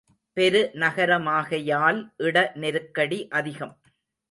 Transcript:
பெரு நகரமாகையால் இட நெருக்கடி அதிகம்.